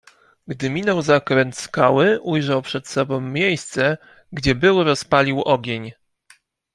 "Gdy minął zakręt skały ujrzał przed sobą miejsce, gdzie był rozpalił ogień."